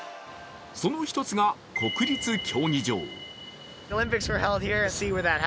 その１つが国立競技場。